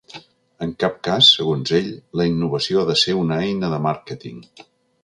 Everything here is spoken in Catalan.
En cap cas, segons ell, la innovació ha de ser una eina de màrqueting.